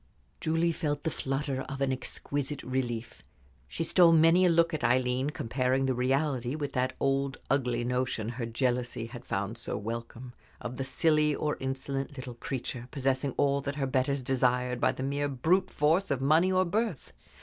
Julie felt the flutter of an exquisite relief. She stole many a look at Aileen, comparing the reality with that old, ugly notion her jealousy had found so welcome of the silly or insolent little creature, possessing all that her betters desired, by the mere brute force of money or birth.